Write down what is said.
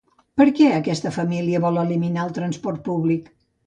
Per què aquesta família vol eliminar el transport públic?